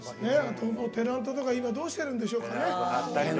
ペナントとかどうしてるんでしょうね。